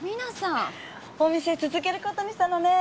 お店続ける事にしたのね。